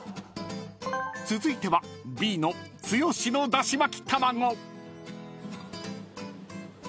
［続いてはＢの剛のだし巻き玉子］